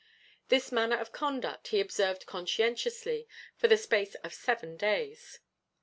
This manner of conduct he observed conscientiously for the space of seven days.